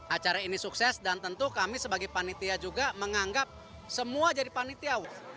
acara ini sukses dan tentu kami sebagai panitia juga menganggap semua jadi panitia